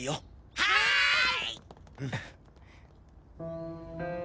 はい！